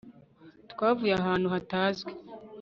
twavuye ahantu hatazwi